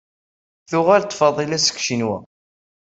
Tuɣal-d Faḍila seg Ccinwa.